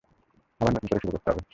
আবার নতুন করে শুরু করতে হবে।